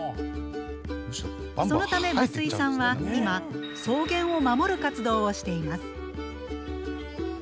そのため、増井さんは今草原を守る活動をしています。